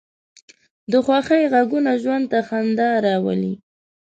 د خوښۍ غږونه ژوند ته خندا راولي